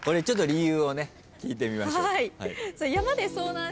ちょっと理由をね聞いてみましょう。